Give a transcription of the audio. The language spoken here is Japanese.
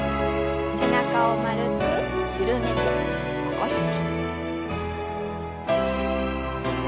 背中を丸く緩めて起こして。